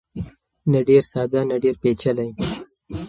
نه ډېر ساده نه ډېر پېچلی.